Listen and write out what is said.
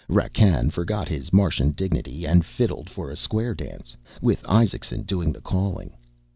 Rakkan forgot his Martian dignity and fiddled for a square dance, with Isaacson doing the calling.